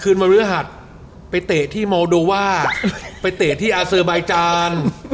คืนวันบริหรษัทไปเตะที่ไปเตะที่อาเซอร์ไบจาน